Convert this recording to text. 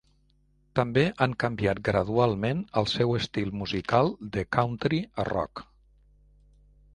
També han canviat gradualment el seu estil musical de country a rock.